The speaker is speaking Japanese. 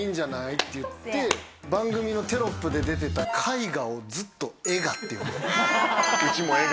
って言って、番組のテロップで出てた絵画をずっと、エガって呼んでた。